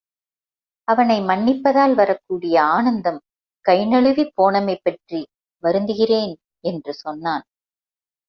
அவனை மன்னிப்பதால் வரக்கூடிய ஆனந்தம் கைநழுவிப் போனமைபற்றி வருந்துகிறேன்! என்று சொன்னான்.